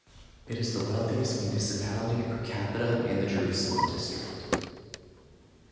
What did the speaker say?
It is the wealthiest municipality per capita in the Jerusalem District.